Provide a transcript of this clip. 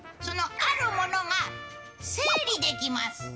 そのあるものが整理できます。